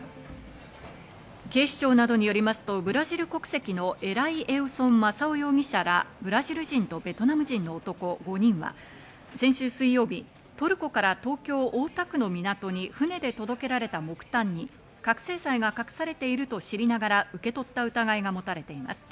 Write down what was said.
警視庁などによりますと、ブラジル国籍のエライ・エウソン・マサオ容疑者らと、ブラジル人とベトナム人の男５人は先週水曜日、トルコから東京・大田区の港に船で届けられた木炭に覚醒剤が隠されていると知りながら受け取った疑いが持たれています。